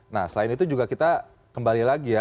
nah selain itu juga kita kembali lagi ya